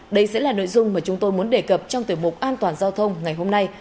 đây sẽ là nội dung mà chúng tôi muốn đề cập trong tiểu mục an toàn giao thông ngày hôm nay